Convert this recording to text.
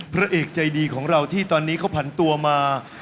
พระเอกใจดีของเราที่ตอนนี้เขาผันตัวมา